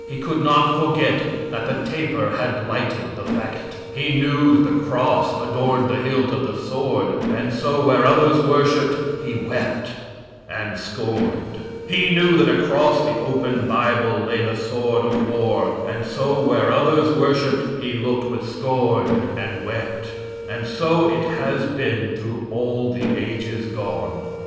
He could not forget that the taper had lighted the fagot. He knew that the cross adorned the hilt of the sword, and so where others worshiped, he wept and scorned. He knew that across the open Bible lay the sword of war, and so where others worshiped he looked with scorn and wept. And so it has been through all the ages gone.